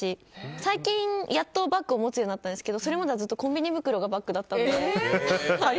最近、やっとバッグを持つようになったんですけどそれまではずっとコンビニ袋がバッグだったので。